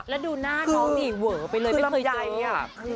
แล้วดูหน้าน้องนี่เวอไปเลยไม่เข้าใจอ่ะ